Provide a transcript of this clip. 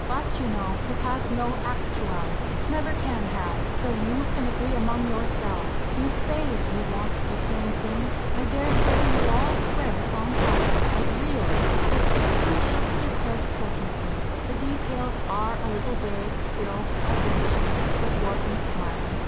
But, you know, it has no actuality never can have till you can agree among yourselves. You say you want the same thing I dare say you'll all swear it on Friday but really " The statesman shook his head pleasantly. "The details are a little vague still, I grant you," said Wharton, smiling.